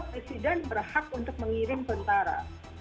presiden berhak untuk mengirim tentara